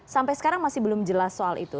sampai sekarang masih belum jelas soal itu